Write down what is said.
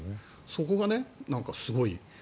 そこがすごい。